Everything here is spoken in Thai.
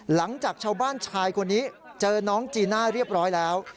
หลังจากชาวบ้านชายคนนี้เจอน้องจีน่าเรียบร้อยแล้ว